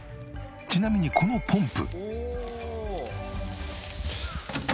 ちなみにこのポンプ。